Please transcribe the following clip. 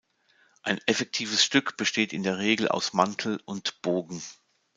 Ein effektives Stück besteht in der Regel aus Mantel und Bogen.